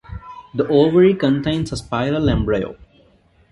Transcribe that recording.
The ovary contains a spiral embryo.